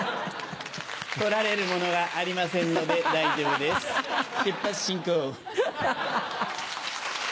取られるものがありませんので大丈夫です出発進行！